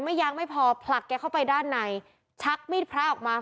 ยางไม่พอผลักแกเข้าไปด้านในชักมีดพระออกมา